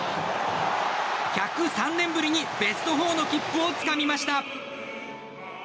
１０３年ぶりにベスト４の切符をつかみました。